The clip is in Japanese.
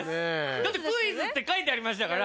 だってクイズって書いてありましたから。